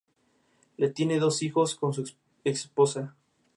Le tiene dos hijos con su ex esposa.